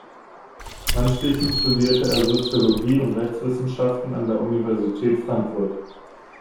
Anschließend studierte er Soziologie und Rechtswissenschaften an der Universität Frankfurt.